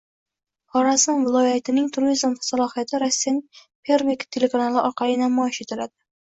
Xorazm valoyatining turizm salohiyati Rossiyaning “Pervыy” telekanali orqali namoyish etiladi